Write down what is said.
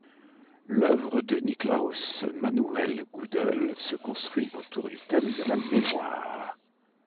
L’œuvre de Niklaus Manuel Güdel se construit autour du thème de la mémoire.